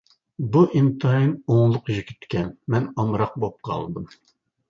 بۇ ئىنتايىن ئوڭلۇق يىگىتكەن، مەن ئامراق بولۇپ قالدىم.